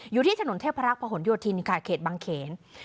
อยู่ที่ถนนเทพรักษณ์พระหนุทินขาดเขตบางเขน